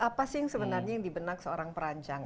apa sih yang sebenarnya yang dibenak seorang perancang